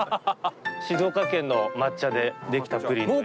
静岡県の抹茶で出来たプリンという。